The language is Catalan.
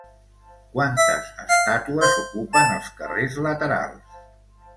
Quantes estàtues ocupen els carrers laterals?